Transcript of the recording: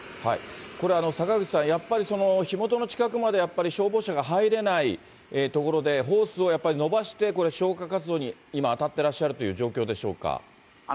これ、坂口さん、やっぱり火元の近くまでやっぱり消防車が入れない所で、ホースをやっぱり延ばして、これ、消火活動に今、当たってらっしゃるという状況でしょうか。